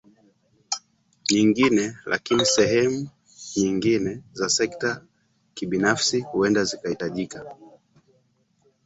nyingine lakini sehemu nyingine za sekta ya kibinafsi huenda zikahitajika